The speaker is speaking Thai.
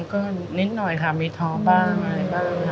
ก็นิดหน่อยค่ะมีท้อบ้างอะไรบ้างค่ะ